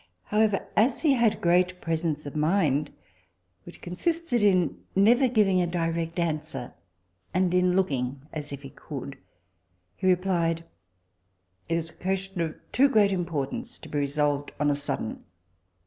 However, as he had great presence of mind, which consisted in never giving a direct answer, and in looking as if he could, he replied, it was a question of too great importance to be resolved on a sudden.